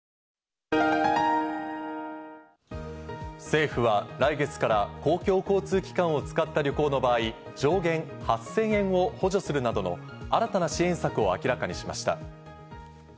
政府は来月から公共交通機関を使った旅行の場合、上限８０００円を補助するなどの新たな支援策を明らかにしました。